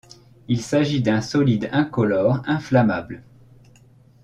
Il s'agit d'un solide incolore inflammable.